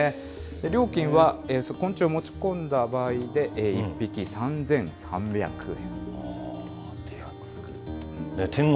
料金は昆虫を持ち込んだ場合で、１匹３３００円。